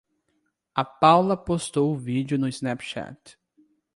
A Paula postou o vídeo no Snapchat